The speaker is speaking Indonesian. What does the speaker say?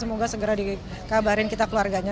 semoga segera dikabarin kita keluarganya